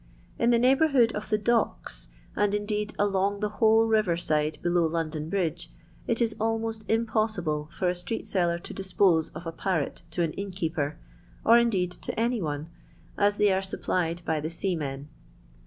In the neighbourhood of the docks, and indeed along the whole river side below London bridge, it is almost impossible for a street seller to dispose of a parrot to an innkeeper, or indeed to any one, as they are supplied by the seamen.